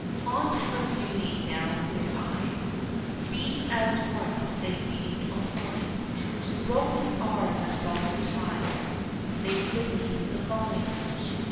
On her beauty now his eyes Beam as once they beamed on mine Broken are the solemn ties Made beneath the vine.